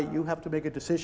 dan mereka mengatakan ke bri